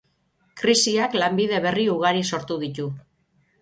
Krisiak lanbide berri ugari sortu ditu.